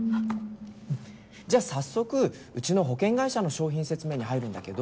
じゃ早速うちの保険会社の商品説明に入るんだけど。